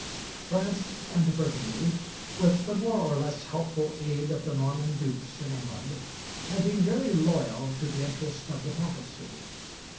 France and Burgundy, with the more or less helpful aid of the Norman dukes in England, had been very loyal to the interests of the Papacy.